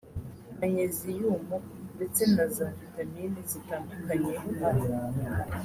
manyeziyumu ndetse na za vitamine zitandukanye A